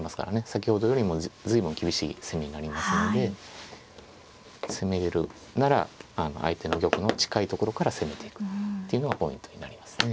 先ほどよりも随分厳しい攻めになりますので攻めるなら相手の玉の近いところから攻めていくっていうのはポイントになりますね。